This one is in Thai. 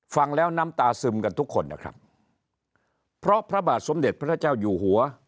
ฟังแล้วน้ำตาซึมกันทุกคนนะครับเพราะพระบาทสมเด็จพระเจ้าอยู่หัว